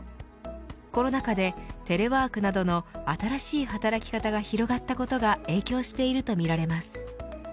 コロナ禍で、テレワークなどの新しい働き方が広がったことが影響しているとみられます。